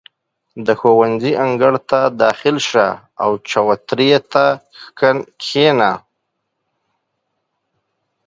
• د ښوونځي انګړ ته داخل شه، او چوترې ته کښېنه.